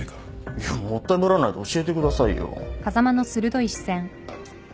いやもったいぶらないで教えてくださいよ。